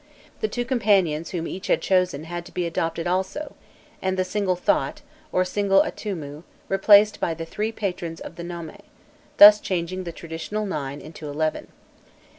The two companions whom each had chosen had to be adopted also, and the single Thot, or single Atûmû, replaced by the three patrons of the nome, thus changing the traditional nine into eleven.